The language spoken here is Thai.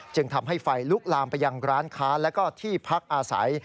จึงทำให้ไฟลุกลามไปยังร้านค้าและที่พักอาศัย